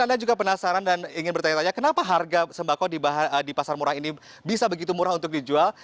anda juga penasaran dan ingin bertanya tanya kenapa harga sembako di pasar murah ini bisa begitu murah untuk dijual